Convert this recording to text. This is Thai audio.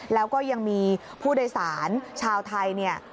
แล้วก็ยังมีผู้โดยสารชาวไทยเนี่ย